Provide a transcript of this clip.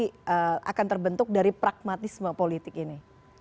nanti akan terbentuk dari pragmatisme politik ini